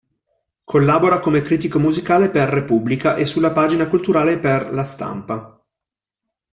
Collabora come critico musicale per "Repubblica" e sulla pagina culturale per "La Stampa".